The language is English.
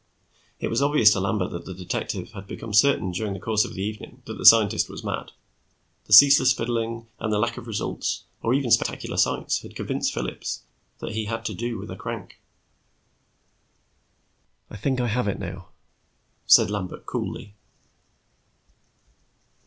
It was obvious to Lambert that the detective had become certain during the course of the evening that the scientist was mad. The ceaseless fiddling and the lack of results or even spectacular sights had convinced Phillips that he had to do with a crank. "I think I have it now," said Lambert coolly.